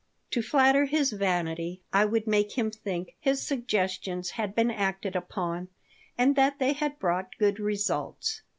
To flatter his vanity I would make him think his suggestions had been acted upon and that they had brought good results.